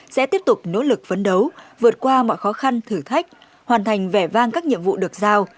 sẽ tiếp tục nỗ lực phấn đấu vượt qua mọi khó khăn thử thách hoàn thành vẻ vang các nhiệm vụ được giao